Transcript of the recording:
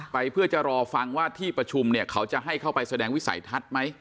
เพื่อจะรอฟังว่าที่ประชุมเนี่ยเขาจะให้เข้าไปแสดงวิสัยทัศน์ไหม